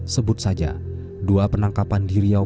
sebut saja dua penangkapan di riau